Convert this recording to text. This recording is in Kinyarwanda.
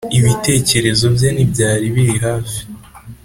ibitekerezo bye ntibyari biri hafi.